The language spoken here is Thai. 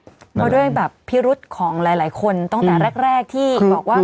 เพราะด้วยแบบพิรุษของหลายคนตั้งแต่แรกที่บอกว่า